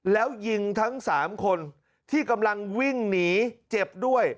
แล้วยิงทั้ง๓คนที่กำลังวิ่งหนีเจ็บด้วย